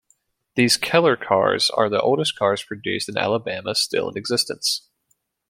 These Keller cars are the oldest cars produced in Alabama still in existence.